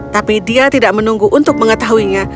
tapi dia tidak menunggu untuk mengetahuinya